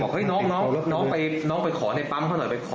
ก็เลยบอกน้องไปขอในปั๊มเขาหน่อย